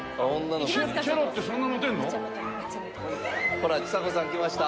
ほらちさ子さん来ました。